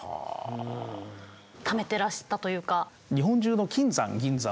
ためてらしたというか。